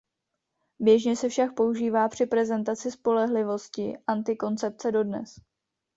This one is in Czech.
Běžně se však používá při prezentaci spolehlivosti antikoncepce dodnes.